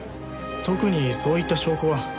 特にそういった証拠は。